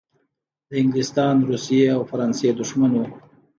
د انګلستان، روسیې او فرانسې دښمن وو.